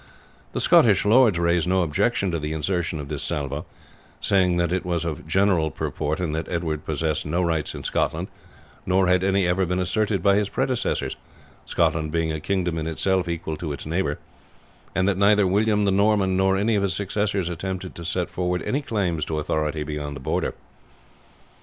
The Scottish lords raised no objection to the insertion of this salvo, seeing that it was of general purport, and that Edward possessed no rights in Scotland, nor had any ever been asserted by his predecessors Scotland being a kingdom in itself equal to its neighbour and that neither William the Norman nor any of his successors attempted to set forward any claims to authority beyond the Border.